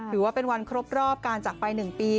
ถือว่าเป็นวันครบรอบการจักรไป๑ปี